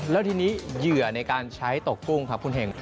แล้วทีนี้เหยื่อในการใช้ตกกุ้งครับคุณเห็ง